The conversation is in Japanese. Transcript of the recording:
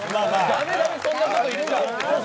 ダメダメ、そんなこと言っちゃ。